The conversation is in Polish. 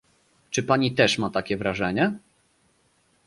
Czy Pani też ma takie wrażenie?